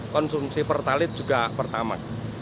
konsumsi pertalet juga pertama